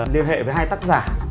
liên hệ với hai tác giả